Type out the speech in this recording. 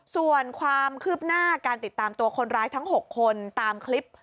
ส่วนความคืบหน้าการติดตามตัวคนร้ายทั้ง๖คนตามคลิป